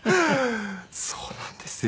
そうなんですよ。